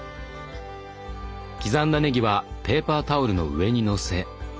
刻んだねぎはペーパータオルの上にのせ。